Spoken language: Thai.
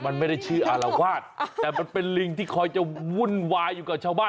มันไม่ได้ชื่ออารวาสแต่มันเป็นลิงที่คอยจะวุ่นวายอยู่กับชาวบ้าน